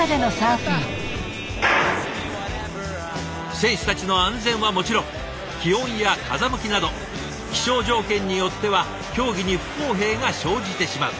選手たちの安全はもちろん気温や風向きなど気象条件によっては競技に不公平が生じてしまう。